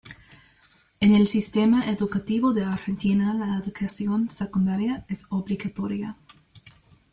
En el Sistema educativo de Argentina la educación secundaria es obligatoria.